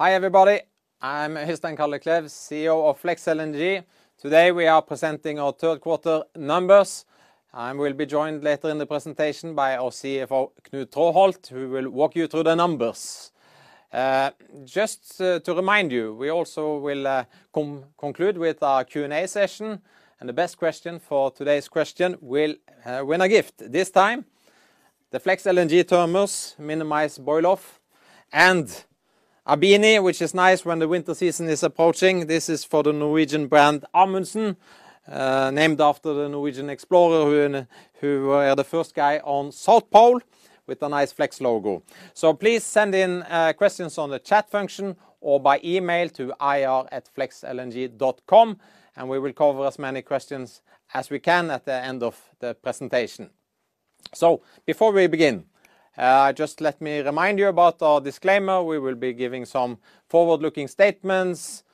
Hi, everybody. I'm Øystein Kalleklev, CEO of Flex LNG. Today, we are presenting our third quarter numbers, and we'll be joined later in the presentation by our CFO, Knut Traaholt, who will walk you through the numbers. Just to remind you, we also will conclude with our Q&A session, and the best question for today's question will win a gift. This time, the Flex LNG thermos, minimize boil-off, and a beanie, which is nice when the winter season is approaching. This is for the Norwegian brand Amundsen named after the Norwegian explorer, who the first guy on South Pole with a nice Flex logo. So please send in questions on the chat function or by email to ir@flexlng.com, and we will cover as many questions as we can at the end of the presentation. So before we begin, just let me remind you about our disclaimer. We will be giving some forward-looking statements.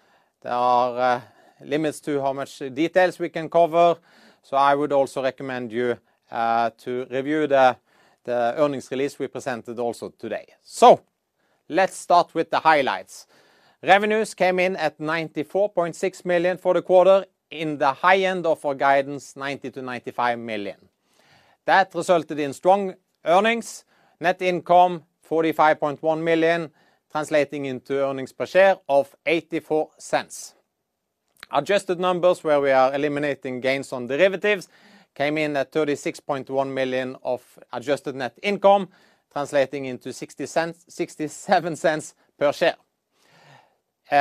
There are, limits to how much details we can cover, so I would also recommend you, to review the, the earnings release we presented also today. So let's start with the highlights. Revenues came in at $94.6 million for the quarter in the high end of our guidance, $90 million-$95 million. That resulted in strong earnings. Net income, $45.1 million, translating into earnings per share of $0.84. Adjusted numbers, where we are eliminating gains on derivatives, came in at $36.1 million of adjusted net income, translating into $0.60-$0.67 per share.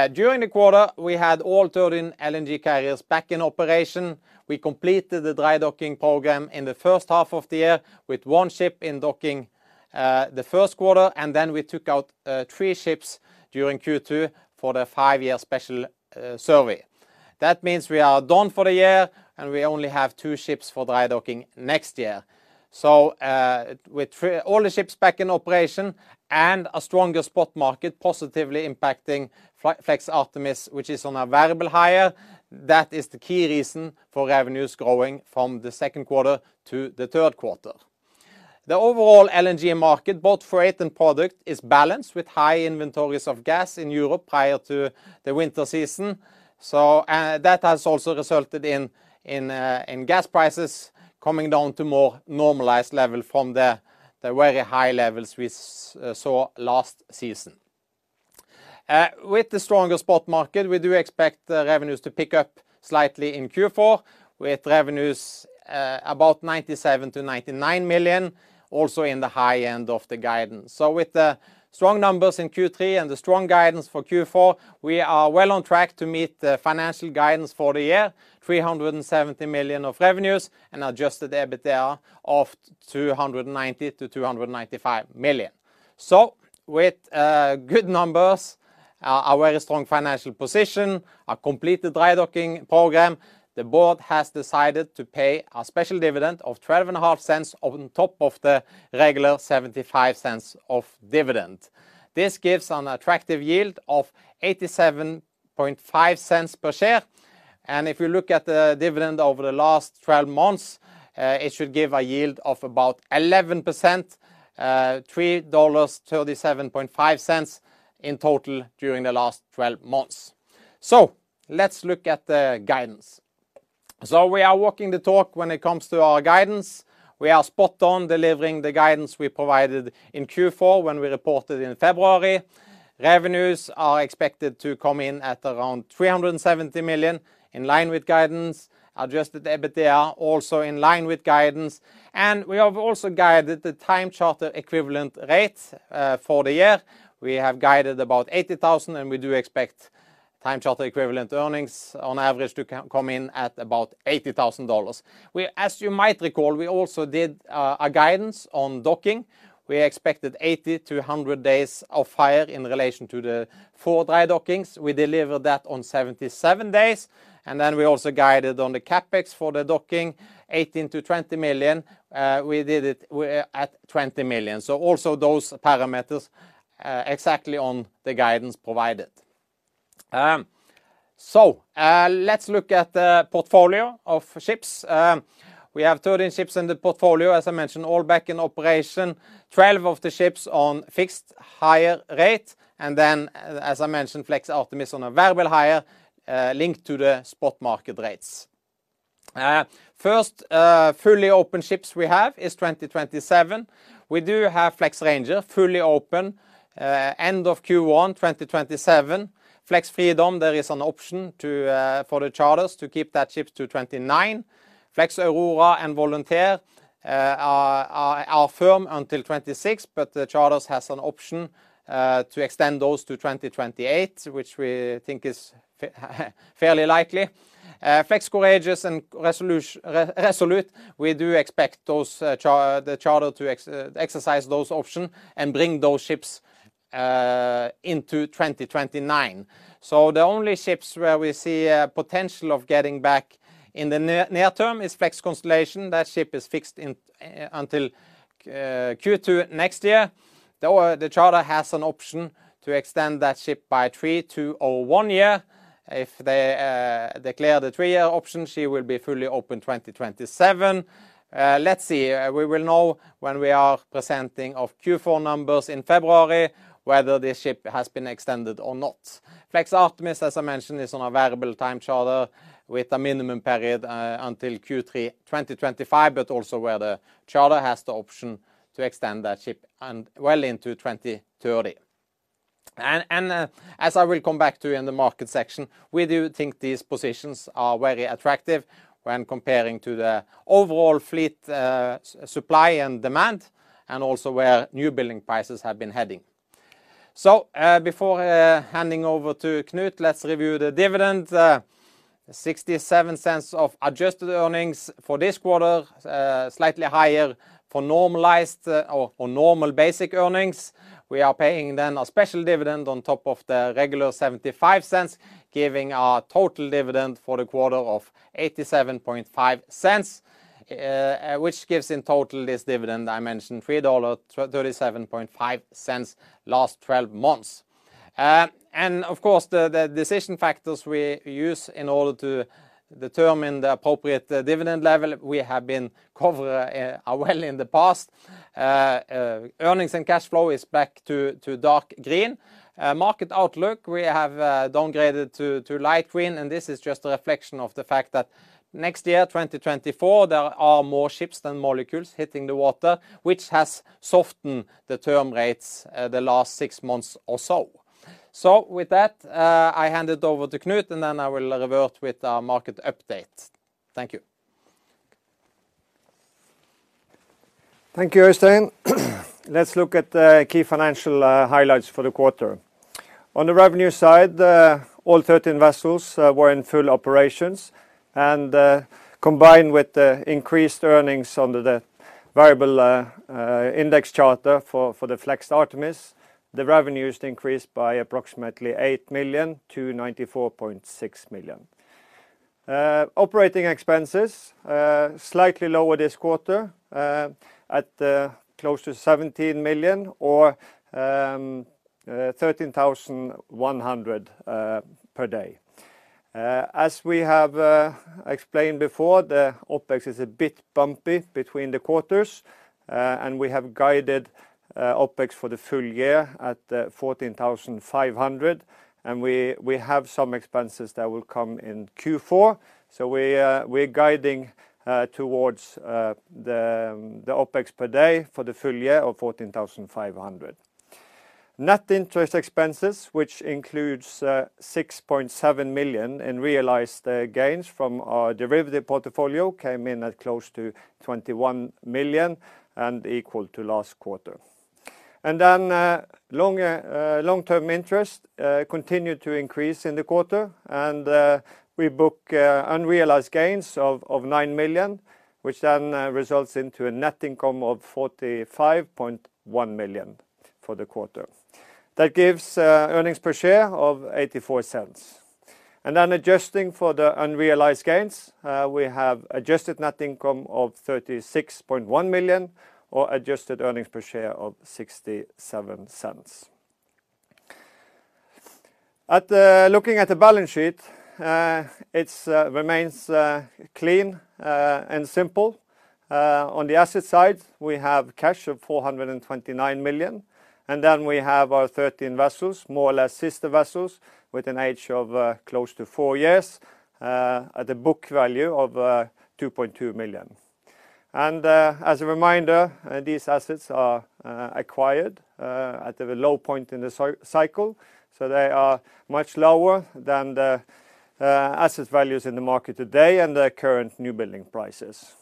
During the quarter, we had all 13 LNG carriers back in operation. We completed the dry docking program in the first half of the year, with one ship in docking, the first quarter, and then we took out three ships during Q2 for the five-year special survey. That means we are done for the year, and we only have two ships for dry docking next year. So, with all the ships back in operation and a stronger spot market positively impacting Flex Artemis, which is on a variable hire, that is the key reason for revenues growing from the second quarter to the third quarter. The overall LNG market, both freight and product, is balanced with high inventories of gas in Europe prior to the winter season. So, that has also resulted in gas prices coming down to more normalized level from the very high levels we saw last season. With the stronger spot market, we do expect the revenues to pick up slightly in Q4, with revenues about $97 million-$99 million, also in the high end of the guidance. So with the strong numbers in Q3 and the strong guidance for Q4, we are well on track to meet the financial guidance for the year, $370 million of revenues and adjusted EBITDA of $290 million-$295 million. So with good numbers, a very strong financial position, a completed dry docking program, the board has decided to pay a special dividend of $0.125 on top of the regular $0.75 of dividend. This gives an attractive yield of $0.875 per share, and if you look at the dividend over the last 12 months, it should give a yield of about 11%, $3.375 in total during the last twelve months. So let's look at the guidance. So we are walking the talk when it comes to our guidance. We are spot on delivering the guidance we provided in Q4 when we reported in February. Revenues are expected to come in at around $370 million, in line with guidance. Adjusted EBITDA, also in line with guidance. And we have also guided the time charter equivalent rates for the year. We have guided about $80,000, and we do expect time charter equivalent earnings on average to come in at about $80,000. As you might recall, we also did a guidance on docking. We expected 80-100 days of hire in relation to the four dry dockings. We delivered that on 77 days, and then we also guided on the CapEx for the docking, $18 million-$20 million. We did it at $20 million. So also those parameters exactly on the guidance provided. So let's look at the portfolio of ships. We have 13 ships in the portfolio, as I mentioned, all back in operation. 12 of the ships on fixed hire rate, and then as I mentioned, Flex Artemis on a variable hire linked to the spot market rates. First fully open ships we have is 2027. We do have Flex Ranger, fully open end of Q1 2027. Flex Freedom, there is an option to, for the charterers to keep that ship to 2029. Flex Aurora and Volunteer are firm until 2026, but the charterers has an option to extend those to 2028, which we think is fairly likely. Flex Courageous and Resolute, we do expect the charter to exercise those option and bring those ships into 2029. So the only ships where we see a potential of getting back in the near term is Flex Constellation. That ship is fixed until Q2 next year. Though, the charter has an option to extend that ship by three- or one year. If they declare the three-year option, she will be fully open 2027. Let's see. We will know when we are presenting of Q4 numbers in February, whether this ship has been extended or not. Flex Artemis, as I mentioned, is on a variable time charter with a minimum period until Q3 2025, but also where the charter has the option to extend that ship and well into 2030. As I will come back to you in the market section, we do think these positions are very attractive when comparing to the overall fleet, supply and demand, and also where newbuilding prices have been heading. Before handing over to Knut, let's review the dividend. $0.67 of adjusted earnings for this quarter, slightly higher for normalized or normal basic earnings. We are paying then a special dividend on top of the regular $0.75, giving a total dividend for the quarter of $0.875, which gives in total this dividend I mentioned, $3.375 last 12 months. And of course, the decision factors we use in order to determine the appropriate dividend level, we have covered well in the past. Earnings and cash flow is back to dark green. Market outlook, we have downgraded to light green, and this is just a reflection of the fact that next year, 2024, there are more ships than molecules hitting the water, which has softened the term rates the last six months or so. So with that, I hand it over to Knut, and then I will revert with our market update. Thank you. Thank you, Øystein. Let's look at the key financial highlights for the quarter. On the revenue side, all 13 vessels were in full operations, and combined with the increased earnings on the variable index charter for the Flex Artemis, the revenues increased by approximately $8 million to $94.6 million. Operating expenses slightly lower this quarter at close to $17 million or $13,100 per day. As we have explained before, the OpEx is a bit bumpy between the quarters, and we have guided OpEx for the full year at $14,500, and we have some expenses that will come in Q4. So we're guiding towards the OpEx per day for the full year of $14,500. Net interest expenses, which includes $6.7 million in realized gains from our derivative portfolio, came in at close to $21 million and equal to last quarter. Then long-term interest continued to increase in the quarter, and we book unrealized gains of $9 million, which then results into a net income of $45.1 million for the quarter. That gives earnings per share of $0.84. Then adjusting for the unrealized gains, we have adjusted net income of $36.1 million or adjusted earnings per share of $0.67. Looking at the balance sheet, it remains clean and simple. On the asset side, we have cash of $429 million, and then we have our 13 vessels, more or less sister vessels, with an age of close to four years at a book value of $2.2 billion. As a reminder, these assets are acquired at a low point in the cycle, so they are much lower than the asset values in the market today and the current newbuilding prices.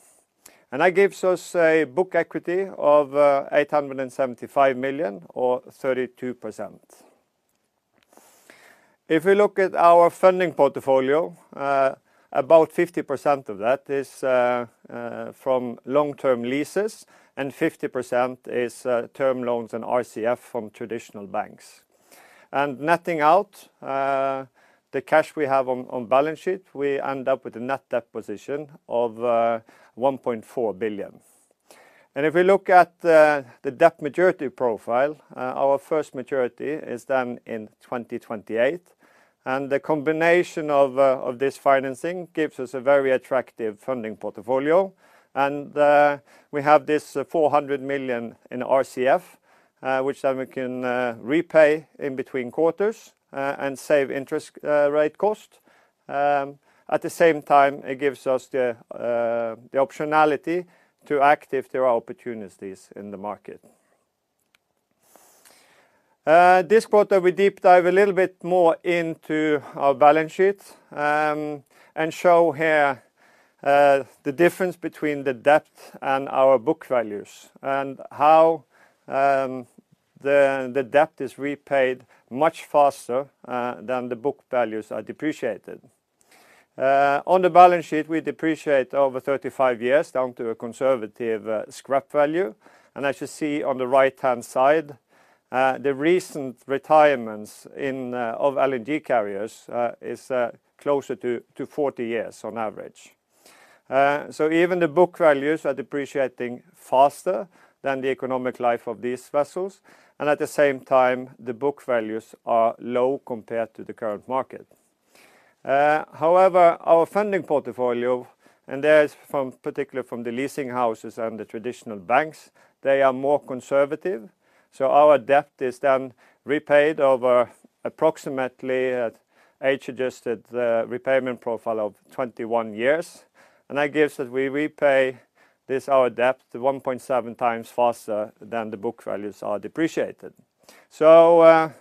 That gives us a book equity of $875 million or 32%. If we look at our funding portfolio, about 50% of that is from long-term leases, and 50% is term loans and RCF from traditional banks. Netting out the cash we have on balance sheet, we end up with a net debt position of $1.4 billion. If we look at the debt maturity profile, our first maturity is done in 2028, and the combination of this financing gives us a very attractive funding portfolio. We have this $400 million in RCF, which then we can repay in between quarters and save interest rate cost. At the same time, it gives us the optionality to act if there are opportunities in the market. This quarter, we deep dive a little bit more into our balance sheet, and show here the difference between the debt and our book values and how the debt is repaid much faster than the book values are depreciated. On the balance sheet, we depreciate over 35 years down to a conservative scrap value. And as you see on the right-hand side, the recent retirements in of LNG carriers is closer to 40 years on average. So even the book values are depreciating faster than the economic life of these vessels, and at the same time, the book values are low compared to the current market. However, our funding portfolio, and that is from, particularly from the leasing houses and the traditional banks, they are more conservative, so our debt is then repaid over-... approximately at age adjusted, the repayment profile of 21 years, and that gives us, we repay this, our debt, to 1.7x faster than the book values are depreciated. So,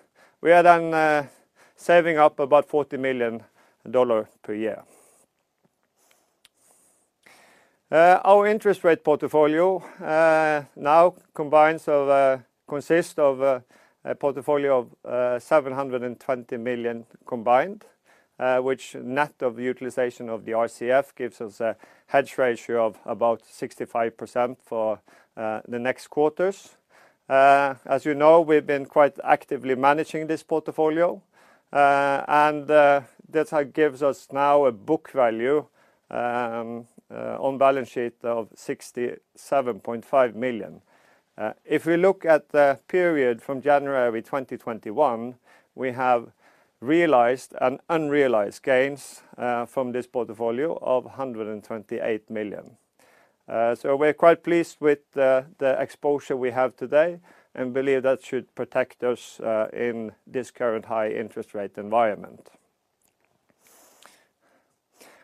we are then saving up about $40 million per year. Our interest rate portfolio now consists of a portfolio of $720 million combined, which net of utilization of the RCF gives us a hedge ratio of about 65% for the next quarters. As you know, we've been quite actively managing this portfolio, and that's how it gives us now a book value on balance sheet of $67.5 million. If we look at the period from January 2021, we have realized and unrealized gains from this portfolio of $128 million. So we're quite pleased with the exposure we have today and believe that should protect us in this current high interest rate environment.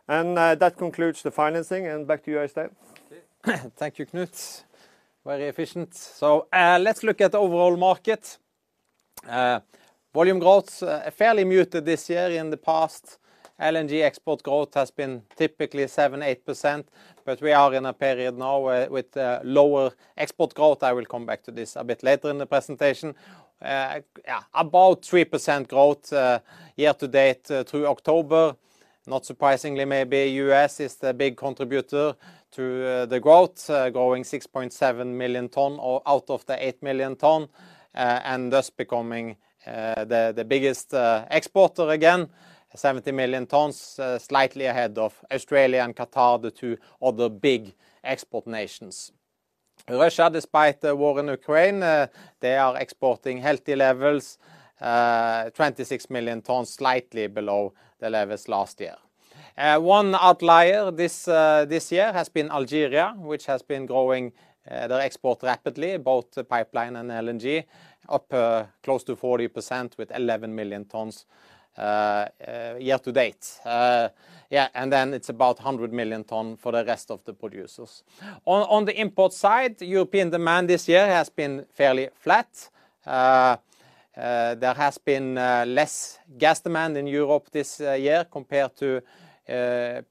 That concludes the financing and back to you, Øystein. Thank you, Knut. Very efficient. Let's look at the overall market. Volume growth fairly muted this year. In the past, LNG export growth has been typically 7%-8%, but we are in a period now where with lower export growth. I will come back to this a bit later in the presentation. Yeah, about 3% growth year to date through October. Not surprisingly, maybe U.S. is the big contributor to the growth, growing 6.7 million tons out of the 8 million tons, and thus becoming the biggest exporter again, 70 million tons, slightly ahead of Australia and Qatar, the two other big export nations. Russia, despite the war in Ukraine, they are exporting healthy levels, 26 million tons, slightly below the levels last year. One outlier this year has been Algeria, which has been growing their export rapidly, both the pipeline and LNG, up close to 40% with 11 million tons year to date. Yeah, and then it's about 100 million tons for the rest of the producers. On the import side, European demand this year has been fairly flat. There has been less gas demand in Europe this year compared to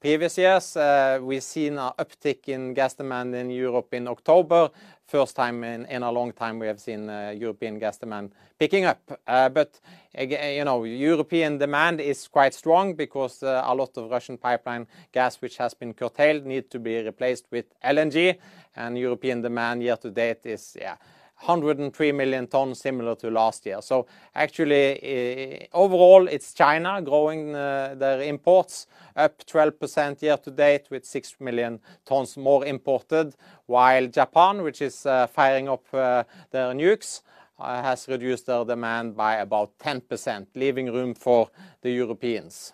previous years. We've seen an uptick in gas demand in Europe in October, first time in a long time we have seen European gas demand picking up. But again, you know, European demand is quite strong because a lot of Russian pipeline gas, which has been curtailed, need to be replaced with LNG, and European demand year to date is, yeah, 103 million tons, similar to last year. So actually, overall, it's China growing their imports up 12% year to date, with 6 million tons more imported, while Japan, which is firing up their nukes, has reduced their demand by about 10%, leaving room for the Europeans.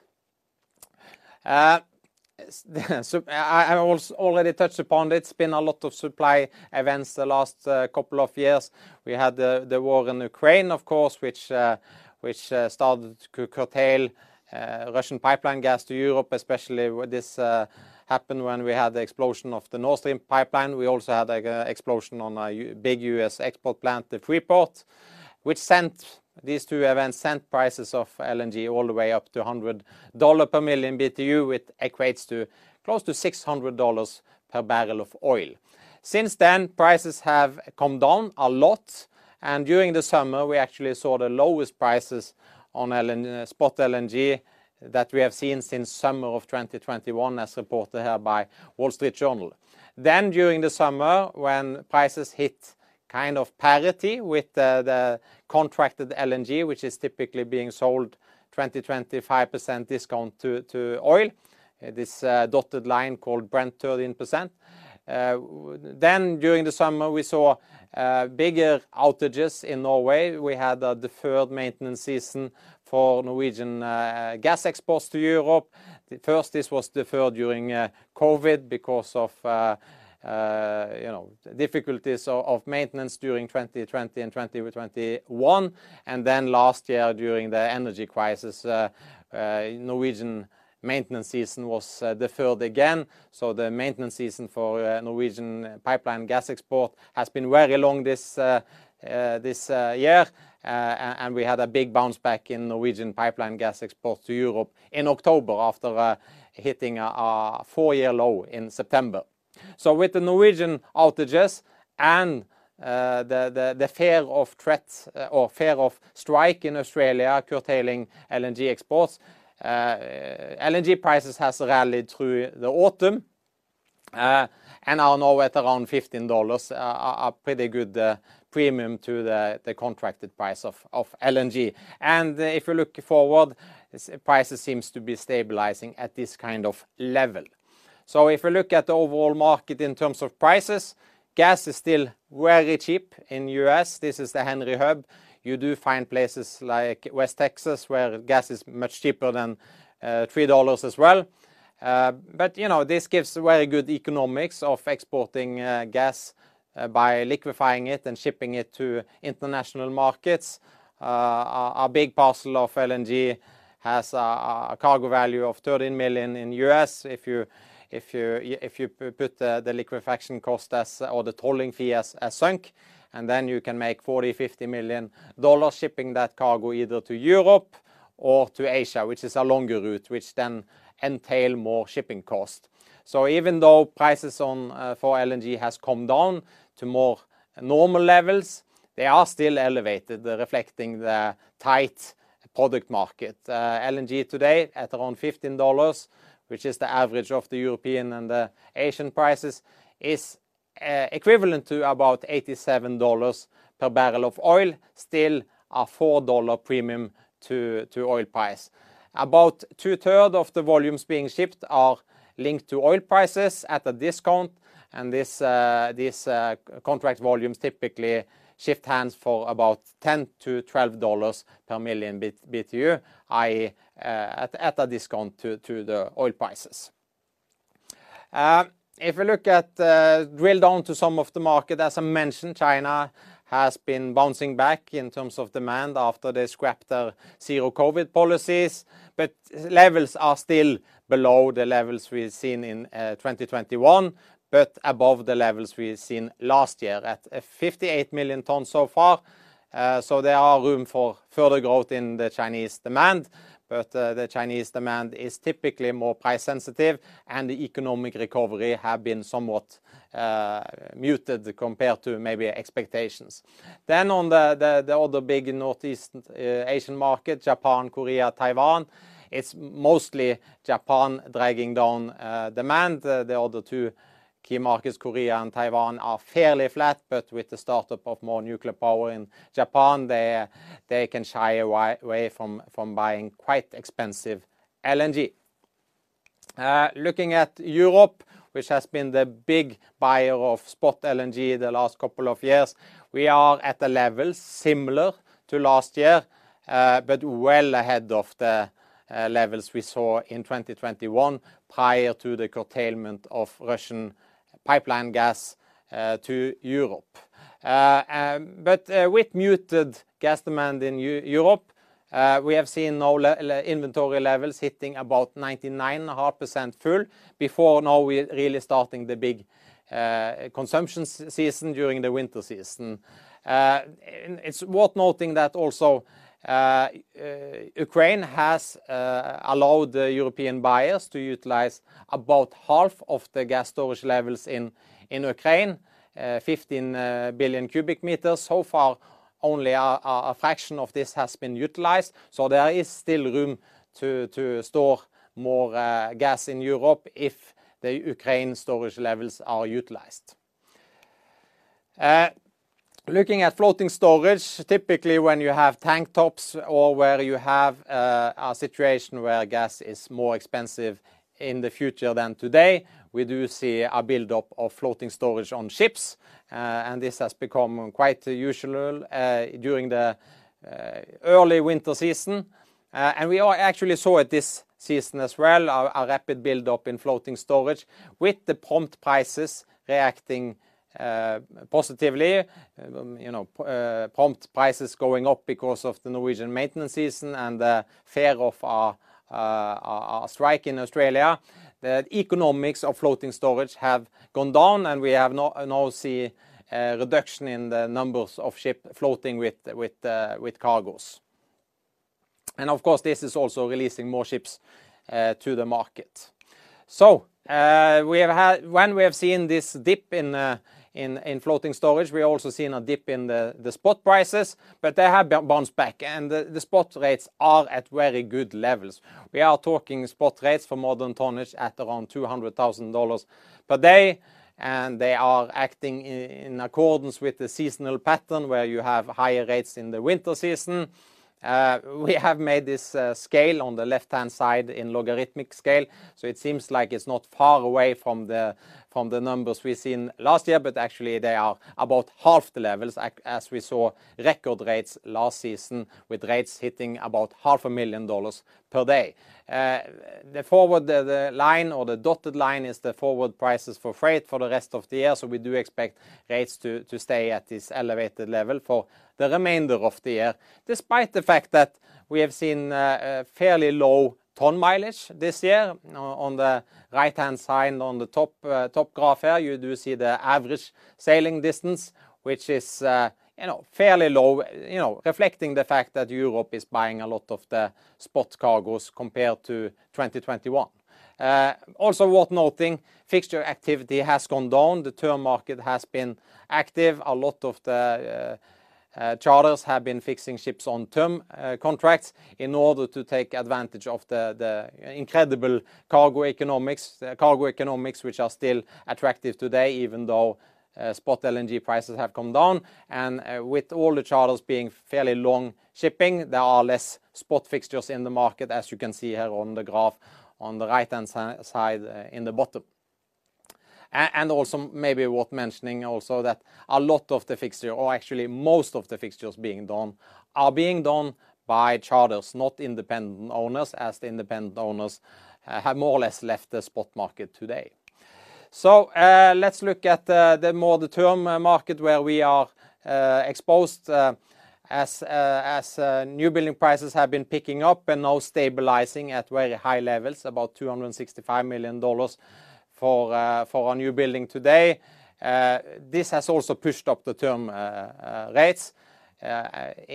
So I already touched upon it. It's been a lot of supply events the last couple of years. We had the war in Ukraine, of course, which started to curtail Russian pipeline gas to Europe, especially with this happened when we had the explosion of the Nord Stream pipeline. We also had, like, an explosion on a big U.S. export plant, the Freeport, which sent these two events, sent prices of LNG all the way up to $100 per million BTU, which equates to close to $600 per barrel of oil. Since then, prices have come down a lot, and during the summer, we actually saw the lowest prices on LNG spot LNG that we have seen since summer of 2021, as reported here by Wall Street Journal. Then, during the summer, when prices hit kind of parity with the contracted LNG, which is typically being sold 20%-25% discount to oil, this dotted line called Brent 13%. Then during the summer, we saw bigger outages in Norway. We had a deferred maintenance season for Norwegian gas exports to Europe. First, this was deferred during COVID because of, you know, difficulties of maintenance during 2020 and 2020-2021. Then last year, during the energy crisis, Norwegian maintenance season was deferred again. So the maintenance season for Norwegian pipeline gas export has been very long this year. And we had a big bounce back in Norwegian pipeline gas export to Europe in October after hitting a four-year low in September. So with the Norwegian outages and the fear of threats or fear of strike in Australia, curtailing LNG exports, LNG prices has rallied through the autumn, and are now at around $15, a pretty good premium to the contracted price of LNG. If you look forward, prices seems to be stabilizing at this kind of level. So if you look at the overall market in terms of prices, gas is still very cheap in U.S. This is the Henry Hub. You do find places like West Texas, where gas is much cheaper than $3 as well. But, you know, this gives very good economics of exporting gas by liquefying it and shipping it to international markets. A big parcel of LNG has a cargo value of $13 million in U.S. If you put the liquefaction cost or the tolling fee as sunk, and then you can make $40 million-$50 million shipping that cargo either to Europe or to Asia, which is a longer route, which then entail more shipping cost. So even though prices for LNG has come down to more normal levels, they are still elevated, reflecting the tight product market. LNG today at around $15, which is the average of the European and the Asian prices, is equivalent to about $87 per barrel of oil, still a $4 premium to oil price. About 2/3 of the volumes being shipped are linked to oil prices at a discount, and this contract volumes typically shift hands for about $10-$12 per million BTU, i.e., at a discount to the oil prices. If you look at the drill down to some of the market, as I mentioned, China has been bouncing back in terms of demand after they scrapped their zero-COVID policies, but levels are still below the levels we've seen in 2021, but above the levels we've seen last year at 58 million tons so far. So there are room for further growth in the Chinese demand, but the Chinese demand is typically more price sensitive, and the economic recovery have been somewhat muted compared to maybe expectations. Then on the other big Northeast Asian market, Japan, Korea, Taiwan, it's mostly Japan dragging down demand. The other two key markets, Korea and Taiwan, are fairly flat, but with the startup of more nuclear power in Japan, they can shy away from buying quite expensive LNG. Looking at Europe, which has been the big buyer of spot LNG the last couple of years, we are at a level similar to last year, but well ahead of the levels we saw in 2021 prior to the curtailment of Russian pipeline gas to Europe. But with muted gas demand in Europe, we have seen now inventory levels hitting about 99.5% full. Before now, we really starting the big consumption season during the winter season. And it's worth noting that also, Ukraine has allowed the European buyers to utilize about half of the gas storage levels in Ukraine, 15 billion cubic meters. So far, only a fraction of this has been utilized, so there is still room to store more gas in Europe if the Ukraine storage levels are utilized. Looking at floating storage, typically when you have tank tops or where you have a situation where gas is more expensive in the future than today, we do see a build-up of floating storage on ships, and this has become quite usual during the early winter season. And we actually saw it this season as well, a rapid build-up in floating storage with the prompt prices reacting positively, you know, prompt prices going up because of the Norwegian maintenance season and the fear of a strike in Australia. The economics of floating storage have gone down, and we have now see a reduction in the numbers of ships floating with cargoes. And of course, this is also releasing more ships to the market. So, we have had, when we have seen this dip in floating storage, we also seen a dip in the spot prices, but they have bounced back, and the spot rates are at very good levels. We are talking spot rates for modern tonnage at around $200,000 per day, and they are acting in accordance with the seasonal pattern, where you have higher rates in the winter season. We have made this scale on the left-hand side in logarithmic scale, so it seems like it's not far away from the numbers we've seen last year, but actually, they are about half the levels as we saw record rates last season, with rates hitting about $500,000 per day. The forward line or the dotted line is the forward prices for freight for the rest of the year, so we do expect rates to stay at this elevated level for the remainder of the year. Despite the fact that we have seen a fairly low ton mileage this year, on the right-hand side, on the top graph here, you do see the average sailing distance, which is, you know, fairly low, you know, reflecting the fact that Europe is buying a lot of the spot cargoes compared to 2021. Also worth noting, fixture activity has gone down. The term market has been active. A lot of the charterers have been fixing ships on term contracts in order to take advantage of the incredible cargo economics which are still attractive today, even though spot LNG prices have come down. With all the charterers being fairly long shipping, there are less spot fixtures in the market, as you can see here on the graph on the right-hand side, in the bottom. And also maybe worth mentioning also that a lot of the fixture, or actually most of the fixtures being done, are being done by charterers, not independent owners, as the independent owners have more or less left the spot market today. So, let's look at the term market where we are exposed, as newbuilding prices have been picking up and now stabilizing at very high levels, about $265 million for a newbuilding today. This has also pushed up the term rates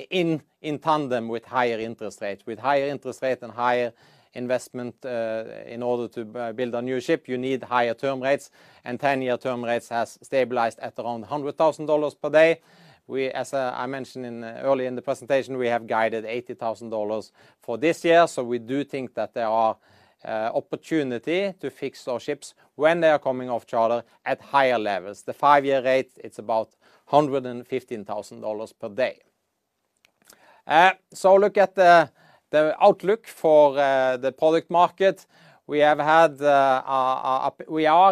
in tandem with higher interest rates. With higher interest rate and higher investment, in order to build a new ship, you need higher term rates, and 10-year term rates has stabilized at around $100,000 per day. We, as I mentioned earlier in the presentation, we have guided $80,000 for this year. So we do think that there are opportunity to fix our ships when they are coming off charter at higher levels. The five-year rate, it's about $115,000 per day. So look at the outlook for the product market. We are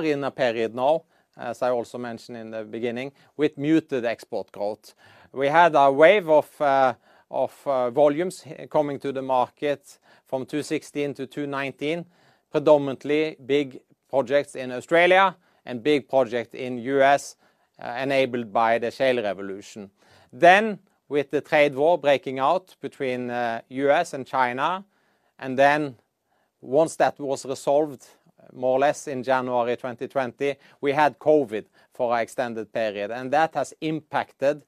in a period now, as I also mentioned in the beginning, with muted export growth. We had a wave of volumes coming to the market from 2016-2019, predominantly big projects in Australia and big project in U.S., enabled by the shale revolution. Then, with the trade war breaking out between U.S. and China, and then once that was resolved, more or less in January 2020, we had COVID for an extended period, and that has impacted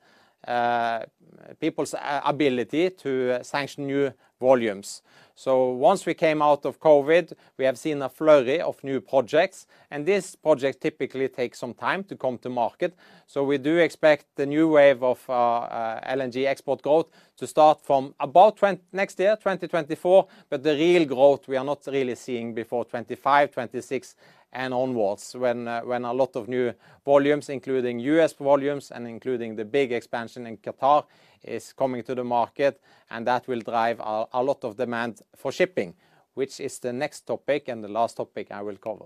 people's ability to sanction new volumes. So once we came out of COVID, we have seen a flurry of new projects, and these projects typically take some time to come to market. So we do expect the new wave of LNG export growth to start from about next year, 2024, but the real growth we are not really seeing before 2025, 2026 and onwards, when a lot of new volumes, including U.S. volumes and including the big expansion in Qatar, is coming to the market, and that will drive a lot of demand for shipping, which is the next topic and the last topic I will cover.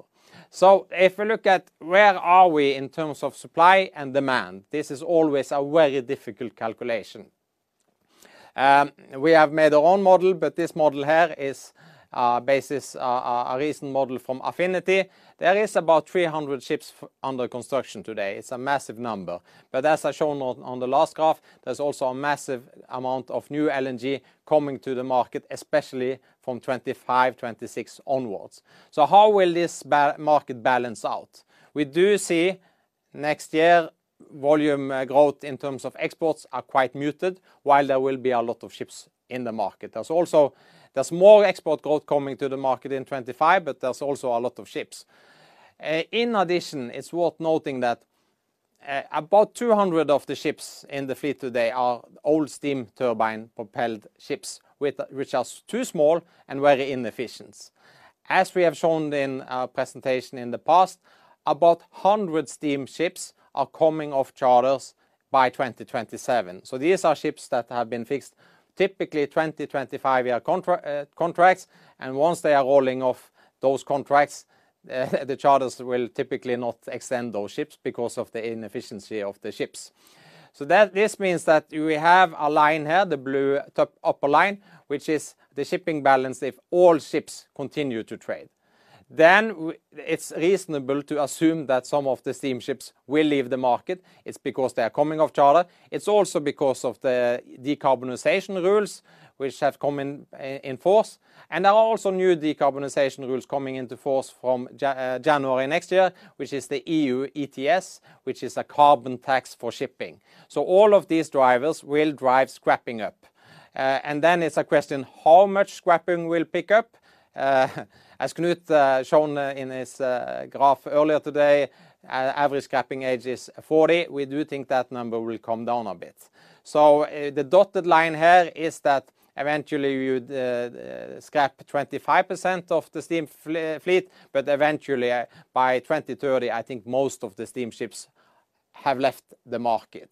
So if we look at where are we in terms of supply and demand, this is always a very difficult calculation. We have made our own model, but this model here is based on a recent model from Affinity. There is about 300 ships under construction today. It's a massive number, but as I shown on the last graph, there's also a massive amount of new LNG coming to the market, especially from 2025, 2026 onwards. So how will this market balance out? We do see next year, volume growth in terms of exports are quite muted, while there will be a lot of ships in the market. There's also more export growth coming to the market in 2025, but there's also a lot of ships. In addition, it's worth noting that about 200 of the ships in the fleet today are old steam turbine-propelled ships, which are too small and very inefficient. As we have shown in our presentation in the past, about 100 steam ships are coming off charterers by 2027. So these are ships that have been fixed, typically 20-25-year contracts, and once they are rolling off those contracts, the charterers will typically not extend those ships because of the inefficiency of the ships. So this means that we have a line here, the blue top, upper line, which is the shipping balance if all ships continue to trade. Then it's reasonable to assume that some of the steamships will leave the market. It's because they are coming off charter. It's also because of the decarbonization rules which have come in, in force, and there are also new decarbonization rules coming into force from January next year, which is the EU ETS, which is a carbon tax for shipping. So all of these drivers will drive scrapping up. And then it's a question, how much scrapping will pick up? As Knut shown in his graph earlier today, average scrapping age is 40. We do think that number will come down a bit. The dotted line here is that eventually, you'd scrap 25% of the steam fleet, but eventually, by 2030, I think most of the steamships have left the market.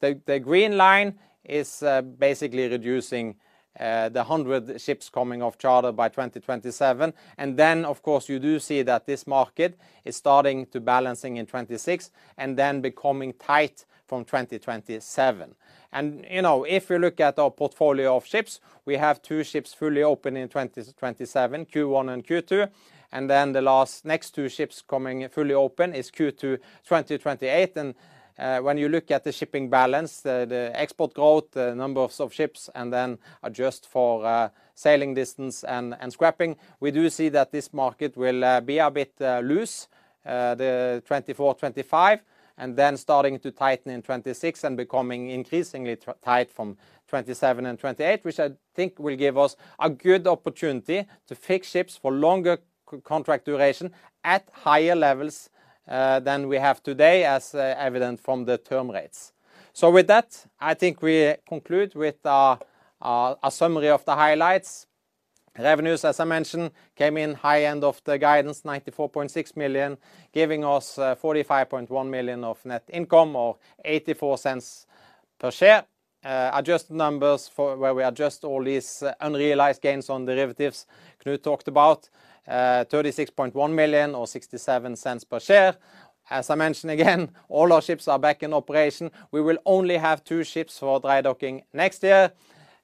The green line is basically reducing the 100 ships coming off charter by 2027. You know, if you look at our portfolio of ships, we have two ships fully open in 2027, Q1 and Q2, and then the last next two ships coming fully open is Q2, 2028. When you look at the shipping balance, the export growth, the numbers of ships, and then adjust for sailing distance and scrapping, we do see that this market will be a bit loose, the 2024, 2025, and then starting to tighten in 2026 and becoming increasingly tight from 2027 and 2028, which I think will give us a good opportunity to fix ships for longer contract duration at higher levels than we have today, as evident from the term rates. So with that, I think we conclude with a summary of the highlights. Revenues, as I mentioned, came in high end of the guidance, $94.6 million, giving us $45.1 million of net income or $0.84 per share. Adjust numbers for where we adjust all these unrealized gains on derivatives Knut talked about, $36.1 million or $0.67 per share. As I mentioned again, all our ships are back in operation. We will only have two ships for dry docking next year.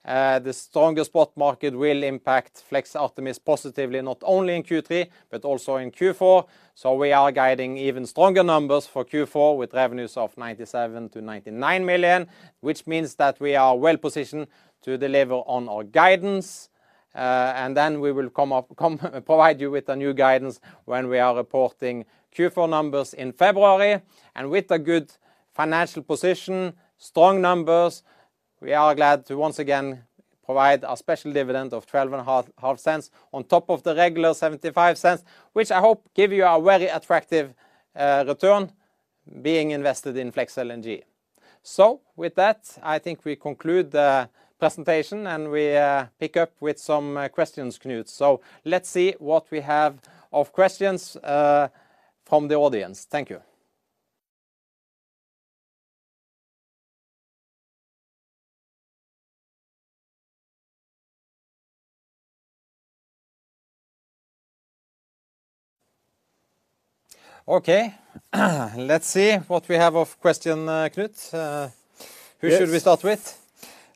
The stronger spot market will impact Flex Artemis positively, not only in Q3, but also in Q4. So we are guiding even stronger numbers for Q4, with revenues of $97 million-$99 million, which means that we are well positioned to deliver on our guidance. Then we will come provide you with a new guidance when we are reporting Q4 numbers in February. With a good financial position, strong numbers, we are glad to once again provide a special dividend of $0.125 on top of the regular $0.75, which I hope give you a very attractive return being invested in Flex LNG. So with that, I think we conclude the presentation, and we pick up with some questions, Knut. So let's see what we have of questions from the audience. Thank you. Okay, let's see what we have of question, Knut. Yes. Who should we start with?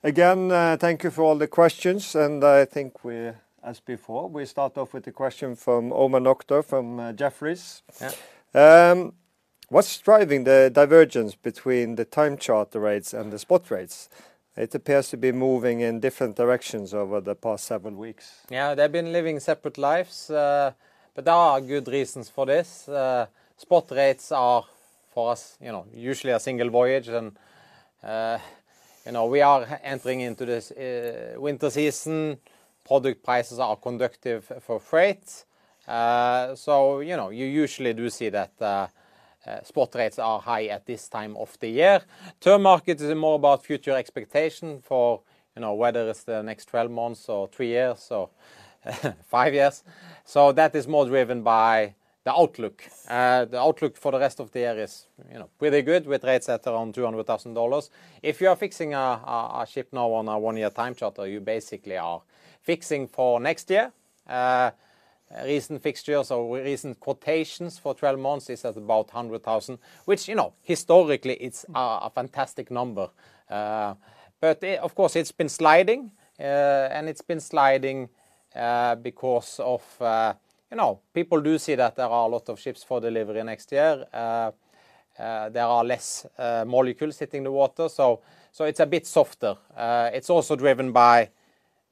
Again, thank you for all the questions, and I think we, as before, we start off with a question from Omar Nokta from Jefferies. Yeah. What's driving the divergence between the time charter rates and the spot rates? It appears to be moving in different directions over the past seven weeks. Yeah, they've been living separate lives, but there are good reasons for this. Spot rates are for us, you know, usually a single voyage and, you know, we are entering into this winter season. Product prices are conducive for freight. So, you know, you usually do see that spot rates are high at this time of the year. Term market is more about future expectation for, you know, whether it's the next 12 months or three years or five years. So that is more driven by the outlook. The outlook for the rest of the year is, you know, pretty good, with rates at around $200,000. If you are fixing a ship now on a one-year time charter, you basically are fixing for next year. Recent fixtures or recent quotations for 12 months is at about $100,000, which, you know, historically, it's a fantastic number. But of course, it's been sliding, and it's been sliding because, you know, people do see that there are a lot of ships for delivery next year. There are less molecules hitting the water, so it's a bit softer. It's also driven by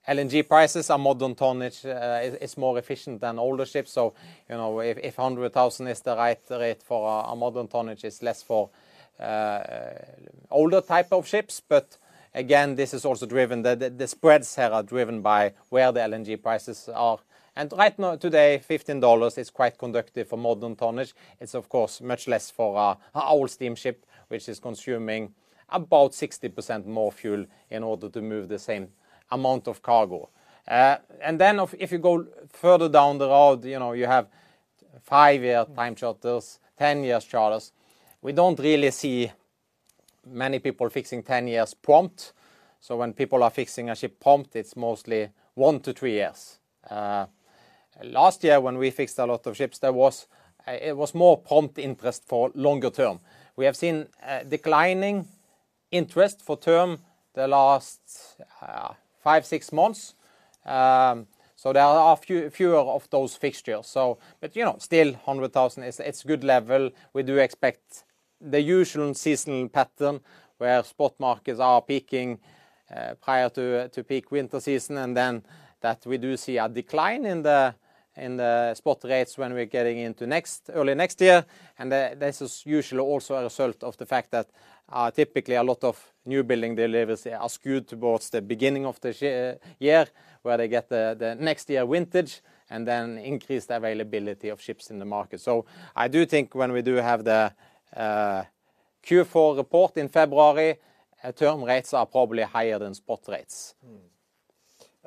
LNG prices and modern tonnage is more efficient than older ships. So, you know, if $100,000 is the right rate for a modern tonnage, it's less for older type of ships. But again, this is also driven. The spreads are driven by where the LNG prices are. And right now, today, $15 is quite conducive for modern tonnage. It's of course much less for an old steamship, which is consuming about 60% more fuel in order to move the same amount of cargo. If you go further down the road, you know, you have five-year time charterers, 10-year charterers. We don't really see many people fixing 10 years prompt. So when people are fixing a ship prompt, it's mostly one to three years years. Last year, when we fixed a lot of ships, it was more prompt interest for longer term. We have seen declining interest for term the last five to six months. So there are fewer of those fixtures. But you know, still $100,000, it's good level. We do expect the usual seasonal pattern, where spot markets are peaking prior to peak winter season, and then that we do see a decline in the spot rates when we're getting into early next year. This is usually also a result of the fact that typically a lot of newbuilding deliveries are skewed towards the beginning of the year, where they get the next year vintage, and then increased availability of ships in the market. So I do think when we do have the Q4 report in February, term rates are probably higher than spot rates.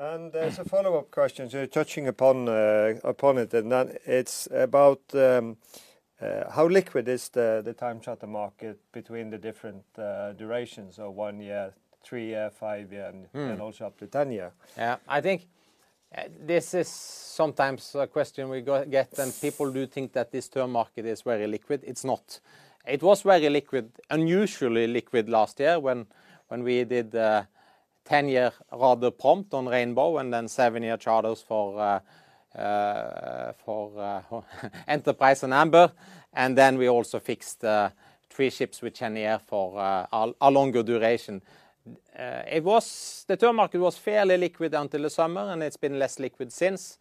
Mm-hmm. And there's a follow-up question. So touching upon it, and then it's about how liquid is the time charter market between the different durations, so one year, three year, five year- Hmm... and also up to 10 year? Yeah. I think this is sometimes a question we get, and people do think that this term market is very liquid. It's not. It was very liquid, unusually liquid last year when we did the 10-year rather prompt on Rainbow, and then seven-year charterers for Enterprise and Amber. And then we also fixed three ships with Cheniere for a longer duration. It was the term market was fairly liquid until the summer, and it's been less liquid since.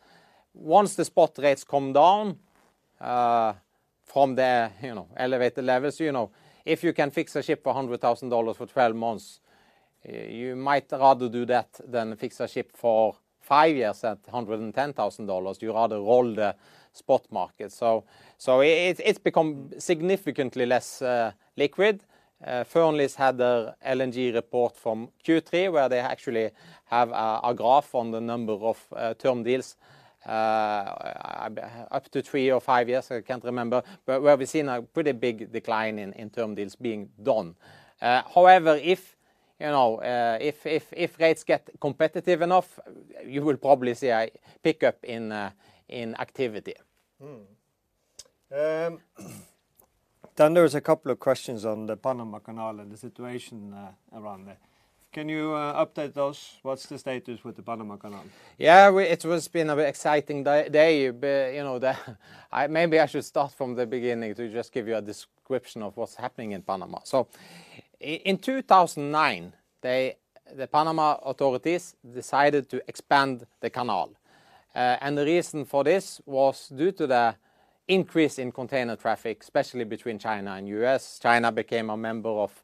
Once the spot rates come down from the, you know, elevated levels, you know, if you can fix a ship for $100,000 for 12 months, you might rather do that than fix a ship for five years at $110,000. You rather roll the spot market. So it's become significantly less liquid. Fearnleys had a LNG report from Q3, where they actually have a graph on the number of term deals up to three or five years, I can't remember, but where we've seen a pretty big decline in term deals being done. However, you know, if rates get competitive enough, you will probably see a pickup in activity. Then there is a couple of questions on the Panama Canal and the situation around there. Can you update those? What's the status with the Panama Canal? Yeah, it has been a very exciting day. But, you know, I maybe I should start from the beginning to just give you a description of what's happening in Panama. So in 2009, they, the Panama authorities decided to expand the canal. And the reason for this was due to the increase in container traffic, especially between China and U.S. China became a member of,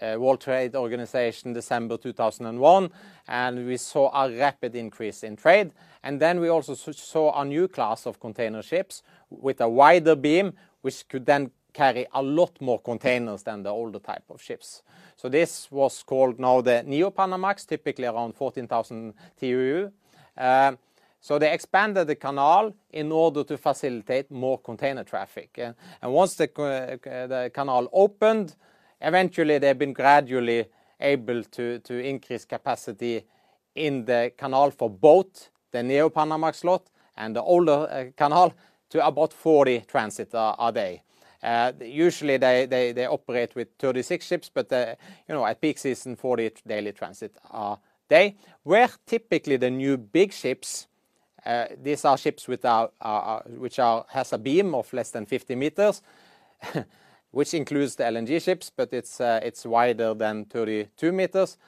World Trade Organization, December 2001, and we saw a rapid increase in trade. And then we also saw a new class of container ships with a wider beam, which could then carry a lot more containers than the older type of ships. So this was called now the Neo-Panamax, typically around 14,000 TEU. So they expanded the canal in order to facilitate more container traffic. And once the canal opened, eventually, they've been gradually able to increase capacity in the canal for both the Neo-Panamax slot and the older canal, to about 40 transits a day. Usually, they operate with 36 ships, but, you know, at peak season, 40 daily transits a day. Typically the new big ships, these are ships which has a beam of less than 50 meters, which includes the LNG ships, but it's wider than 32 meters.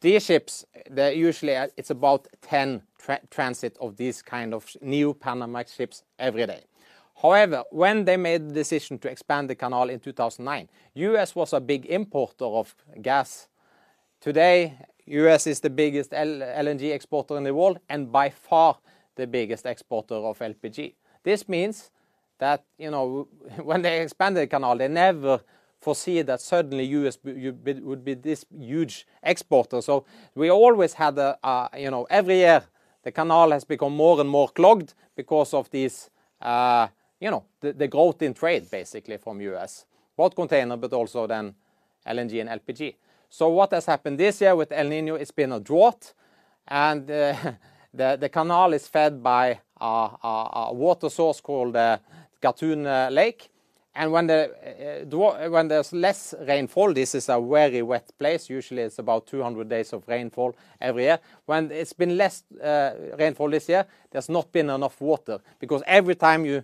These ships, they're usually. It's about 10 transits of these kind of Neo-Panamax ships every day. However, when they made the decision to expand the canal in 2009, U.S. was a big importer of gas. Today, U.S. is the biggest LNG exporter in the world, and by far, the biggest exporter of LPG. This means that, you know, when they expanded the canal, they never foresee that suddenly U.S. would be this huge exporter. So we always had a, you know, every year, the canal has become more and more clogged because of this, you know, the growth in trade, basically from U.S. Both container, but also then LNG and LPG. So what has happened this year with El Niño, it's been a drought, and, the canal is fed by a water source called Gatun Lake. And when the, when there's less rainfall, this is a very wet place. Usually, it's about 200 days of rainfall every year. When it's been less rainfall this year, there's not been enough water. Because every time you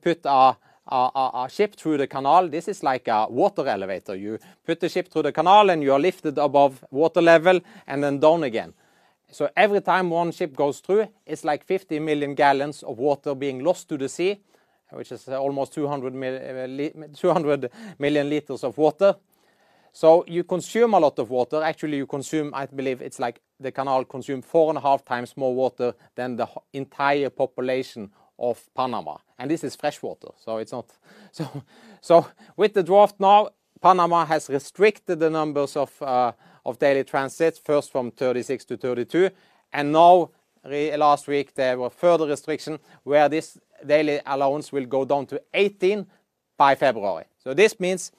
put a ship through the canal, this is like a water elevator. You put the ship through the canal, and you are lifted above water level, and then down again. So every time one ship goes through, it's like 50 million gallons of water being lost to the sea, which is almost 200 million liters of water. So you consume a lot of water. Actually, you consume, I believe, it's like the canal consume 4.5 times more water than the entire population of Panama, and this is freshwater, so it's not... So, with the drought now, Panama has restricted the numbers of daily transits, first from 36 to 32, and now, last week, there were further restriction where this daily allowance will go down to 18 by February. So this means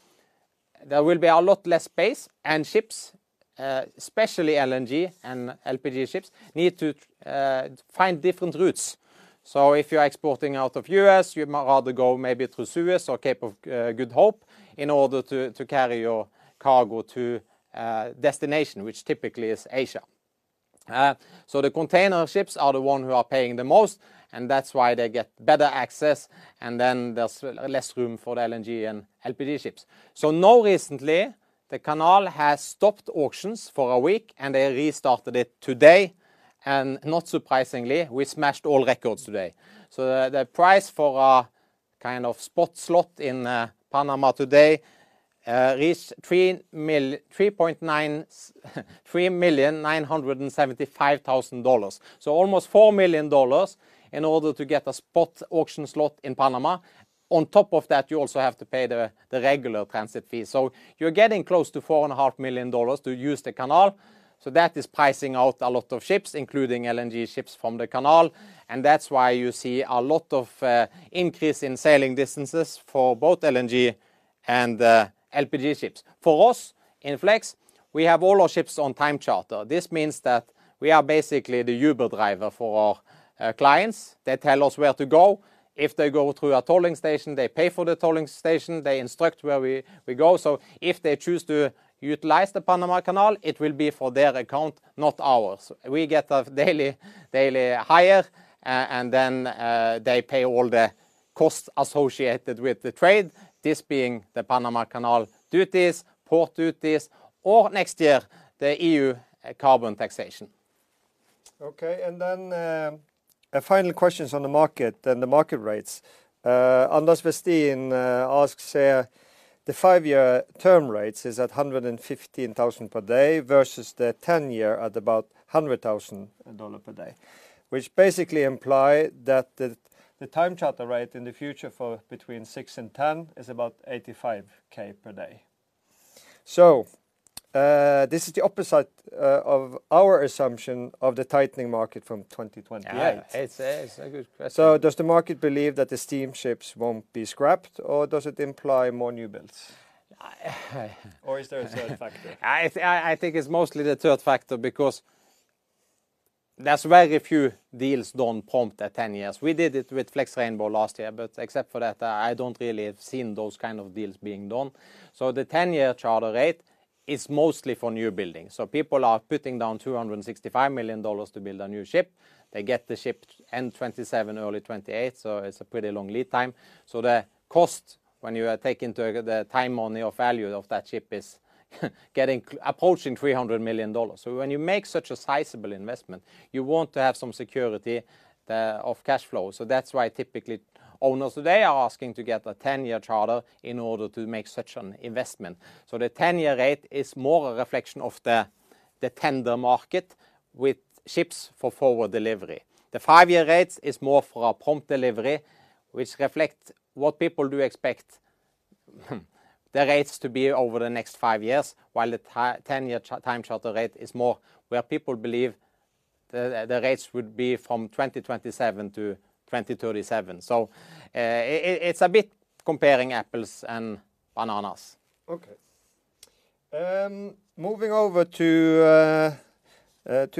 there will be a lot less space and ships, especially LNG and LPG ships, need to find different routes. So if you're exporting out of U.S., you might rather go maybe through Suez or Cape of Good Hope in order to carry your cargo to a destination, which typically is Asia. So the container ships are the ones who are paying the most, and that's why they get better access, and then there's less room for the LNG and LPG ships. So now recently, the canal has stopped auctions for a week, and they restarted it today, and not surprisingly, we smashed all records today. So the price for a kind of spot slot in Panama today reached $3.975 million. So almost $4 million in order to get a spot auction slot in Panama. On top of that, you also have to pay the regular transit fee. So you're getting close to $4.5 million to use the canal. So that is pricing out a lot of ships, including LNG ships from the canal, and that's why you see a lot of increase in sailing distances for both LNG and LPG ships. For us, Flex, we have all our ships on time charter. This means that we are basically the Uber driver for our clients. They tell us where to go. If they go through a tolling station, they pay for the tolling station. They instruct where we go. So if they choose to utilize the Panama Canal, it will be for their account, not ours. We get a daily hire, and then they pay all the costs associated with the trade, this being the Panama Canal duties, port duties, or next year, the EU carbon taxation. Okay, and then, a final question on the market and the market rates. Anders Westin asks, "The five-year term rates is at $115,000 per day versus the 10-year at about $100,000 per day, which basically imply that the time charter rate in the future for between six and 10 is about $85,000 per day." So, this is the opposite of our assumption of the tightening market from 2028. Yeah, it's a, it's a good question. Does the market believe that the steamships won't be scrapped, or does it imply more newbuilds? Or is there a third factor? I think it's mostly the third factor because there's very few deals done prompt at 10 years. We did it with Flex Rainbow last year, but except for that, I don't really have seen those kind of deals being done. So the 10-year charter rate is mostly for newbuildings. So people are putting down $265 million to build a new ship. They get the ship end 2027, early 2028, so it's a pretty long lead time. So the cost when you are taking into the time-only of value of that ship is approaching $300 million. So when you make such a sizable investment, you want to have some security of cash flow. So that's why typically owners, they are asking to get a 10-year charter in order to make such an investment. So the 10-year rate is more a reflection of the tender market with ships for forward delivery. The five-year rates is more for a prompt delivery, which reflect what people do expect, the rates to be over the next five years, while the 10-year time charter rate is more where people believe the rates would be from 2027-2037. So, it's a bit comparing apples and bananas. Okay. Moving over to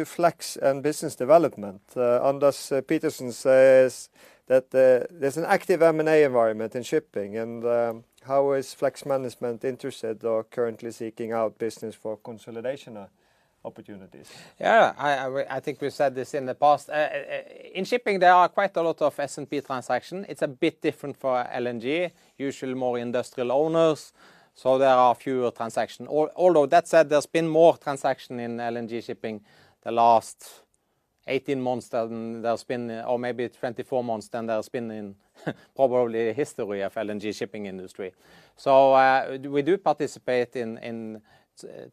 Flex and business development. Anders Petersen says that there's an active M&A environment in shipping, and how is Flex management interested or currently seeking out business for consolidation opportunities? Yeah, I think we said this in the past. In shipping, there are quite a lot of S&P transactions. It's a bit different for LNG, usually more industrial owners, so there are fewer transactions. Although that said, there's been more transactions in LNG shipping the last 18 months than there's been or maybe 24 months than there's been in probably the history of LNG shipping industry. So, we do participate in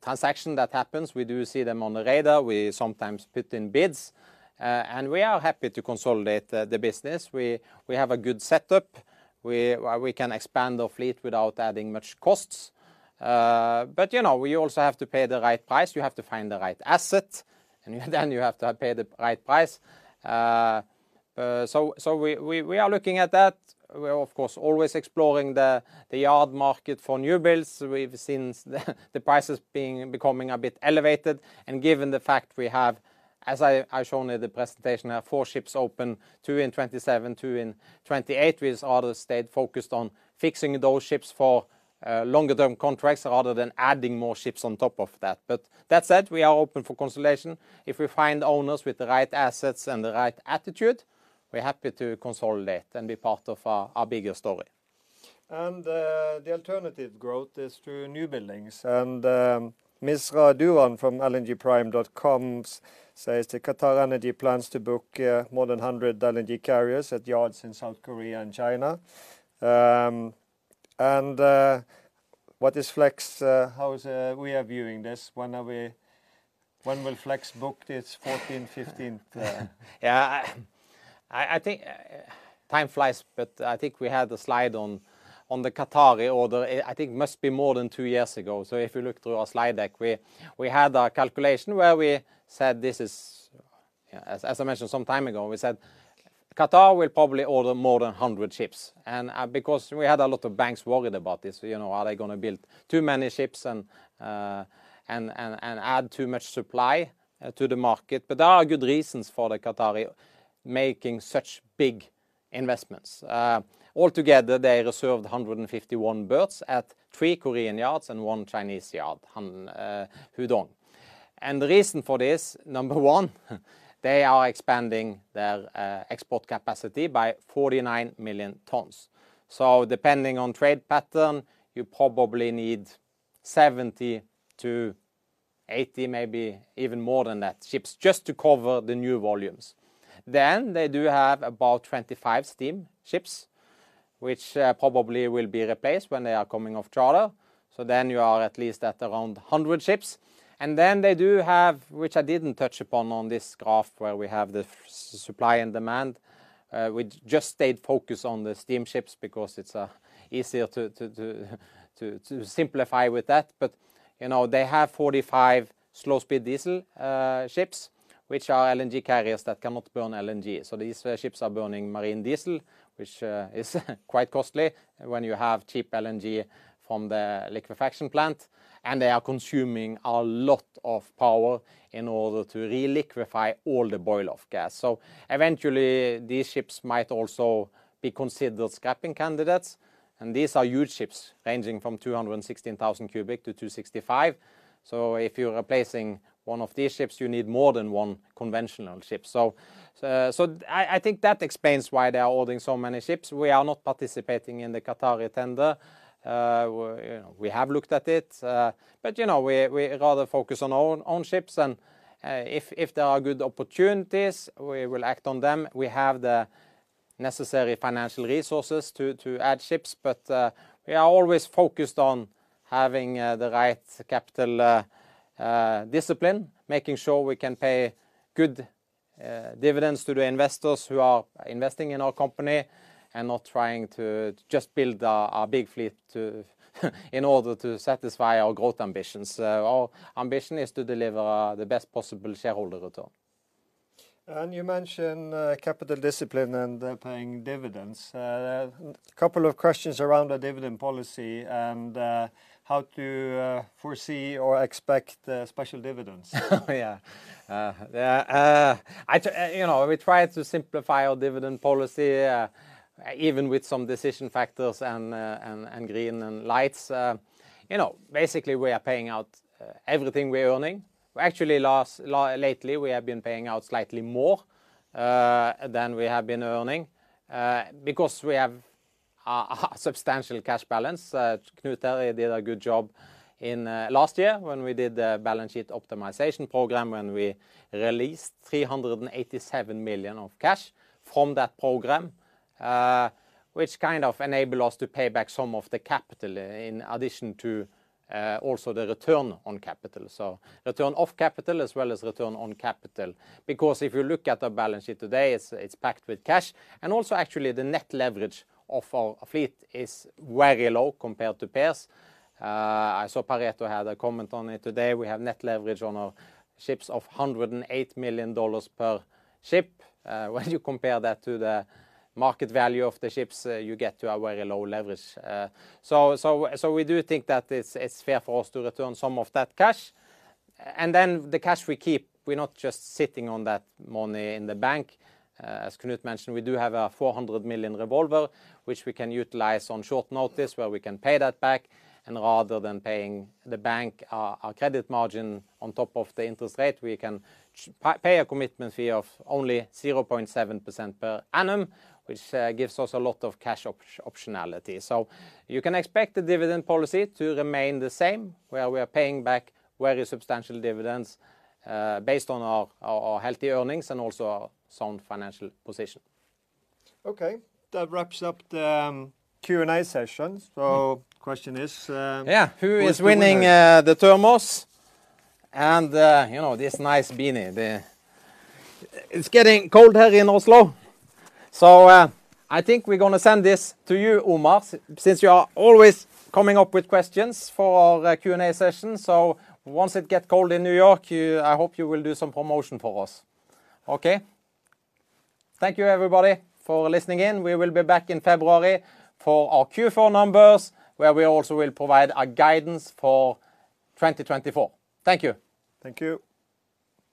transactions that happens. We do see them on the radar. We sometimes put in bids, and we are happy to consolidate the business. We have a good setup. We can expand our fleet without adding much costs. But, you know, we also have to pay the right price. You have to find the right asset, and then you have to pay the right price. So we are looking at that. We're, of course, always exploring the yard market for newbuilds. We've seen the prices becoming a bit elevated. And given the fact we have, as I shown in the presentation, four ships open, two in 2027, two in 2028. We, as others, stayed focused on fixing those ships for longer term contracts rather than adding more ships on top of that. But that said, we are open for consolidation. If we find owners with the right assets and the right attitude, we're happy to consolidate and be part of our bigger story. The alternative growth is through newbuildings. Ms. Raduan from lngprime.com says the QatarEnergy plans to book more than 100 LNG carriers at yards in South Korea and China. What is Flex? How are we viewing this? When will Flex book its fourteenth, fifteenth? Yeah, I think time flies, but I think we had a slide on the Qatar order. I think it must be more than two years ago. So if you look through our slide deck, we had a calculation where we said, "This is..." As I mentioned some time ago, we said, "Qatar will probably order more than 100 ships." And because we had a lot of banks worried about this, you know, are they gonna build too many ships and add too much supply to the market? But there are good reasons for the Qatar making such big investments. Altogether, they reserved 151 berths at three Korean yards and one Chinese yard, Hudong. And the reason for this, number one, they are expanding their export capacity by 49 million tons. So depending on trade pattern, you probably need 70-80, maybe even more than that, ships just to cover the new volumes. Then they do have about 25 steam ships, which probably will be replaced when they are coming off charter. So then you are at least at around 100 ships. And then they do have, which I didn't touch upon on this graph, where we have the supply and demand. We just stayed focused on the steamships because it's easier to simplify with that. But, you know, they have 45 slow speed diesel ships, which are LNG carriers that cannot burn LNG. So these ships are burning marine diesel, which is quite costly when you have cheap LNG from the liquefaction plant, and they are consuming a lot of power in order to reliquefy all the boil-off gas. So eventually, these ships might also be considered scrapping candidates, and these are huge ships, ranging from 216,000 cubic to 265,000. So I think that explains why they are ordering so many ships. We are not participating in the Qatar tender. We have looked at it, but, you know, we rather focus on our own ships, and if there are good opportunities, we will act on them. We have the necessary financial resources to add ships, but we are always focused on having the right capital discipline. Making sure we can pay good dividends to the investors who are investing in our company, and not trying to just build a big fleet in order to satisfy our growth ambitions. Our ambition is to deliver the best possible shareholder return.... And you mentioned capital discipline and paying dividends. A couple of questions around the dividend policy and how to foresee or expect special dividends? Yeah. Yeah, you know, we tried to simplify our dividend policy, even with some decision factors and, and, and green and lights. You know, basically, we are paying out everything we are earning. Actually, lately, we have been paying out slightly more than we have been earning, because we have a substantial cash balance. Knut did a good job in last year when we did the balance sheet optimization program, when we released $387 million of cash from that program, which kind of enable us to pay back some of the capital in addition to also the return on capital. So return of capital as well as return on capital. Because if you look at our balance sheet today, it's, it's packed with cash, and also actually the net leverage of our fleet is very low compared to peers. I saw Pareto had a comment on it today. We have net leverage on our ships of $108 million per ship. When you compare that to the market value of the ships, you get to a very low leverage. So, so, so we do think that it's, it's fair for us to return some of that cash. And then the cash we keep, we're not just sitting on that money in the bank. As Knut mentioned, we do have a $400 million revolver, which we can utilize on short notice, where we can pay that back. Rather than paying the bank our credit margin on top of the interest rate, we can pay a commitment fee of only 0.7% per annum, which gives us a lot of cash optionality. So you can expect the dividend policy to remain the same, where we are paying back very substantial dividends based on our healthy earnings and also our sound financial position. Okay, that wraps up the Q&A session. So question is, Yeah- Who is winning? Who is winning the thermos and, you know, this nice beanie? It's getting cold here in Oslo, so I think we're gonna send this to you, Omar, since you are always coming up with questions for our Q&A session. So once it gets cold in New York, you—I hope you will do some promotion for us. Okay? Thank you, everybody, for listening in. We will be back in February for our Q4 numbers, where we also will provide a guidance for 2024. Thank you. Thank you.